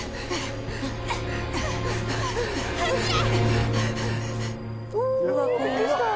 ・走れ！